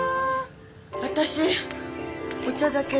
私お茶だけで。